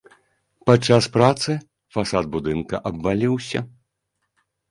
Падчас працы фасад будынка абваліўся.